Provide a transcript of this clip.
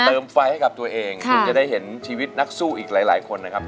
ไฟให้กับตัวเองถึงจะได้เห็นชีวิตนักสู้อีกหลายคนนะครับ